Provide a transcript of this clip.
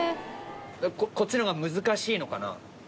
こっちのほうが難しいのかな。